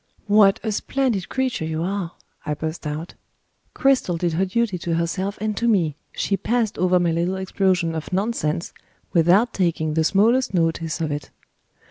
"What a splendid creature you are!" I burst out. Cristel did her duty to herself and to me; she passed over my little explosion of nonsense without taking the smallest notice of it.